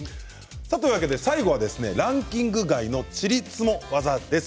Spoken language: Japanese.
最後はランキング、外のチリツモ技です。